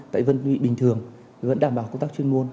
tại đơn vị bình thường vẫn đảm bảo công tác chuyên môn